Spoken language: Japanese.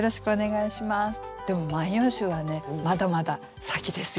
でも「万葉集」はねまだまだ先ですよ。